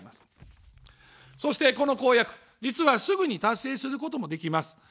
そして、この公約、実は、すぐに達成することもできます。